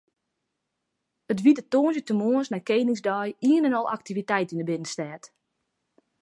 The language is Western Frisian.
It wie de tongersdeitemoarns nei Keningsdei ien en al aktiviteit yn de binnenstêd.